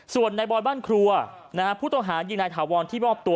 ส่วนในบอยบ้านครัวผู้ต้องหายิงนายถาวรที่มอบตัว